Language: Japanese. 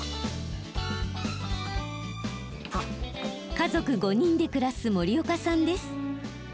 家族５人で暮らす森岡さんです。